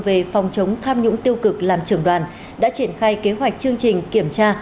về phòng chống tham nhũng tiêu cực làm trưởng đoàn đã triển khai kế hoạch chương trình kiểm tra